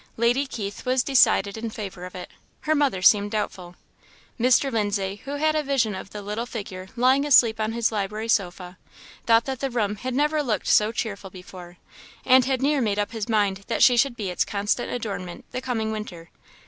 Lady Keith was decided in favour of it; her mother seemed doubtful; Mr. Lindsay, who had a vision of the little figure lying asleep on his library sofa, thought the room had never looked so cheerful before, and had near made up his mind that she should be its constant adornment the coming winter.